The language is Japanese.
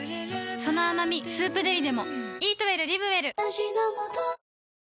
その甘み「スープデリ」でも